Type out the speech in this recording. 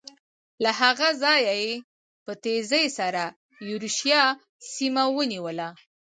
له هغه ځایه یې په تېزۍ سره یورشیا سیمه ونیوله.